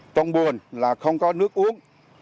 công buồn là không có nước uống